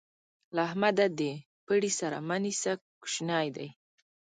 له احمده د پړي سر مه نيسه؛ کوشنی دی.